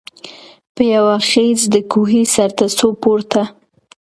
په یوه خېز د کوهي سرته سو پورته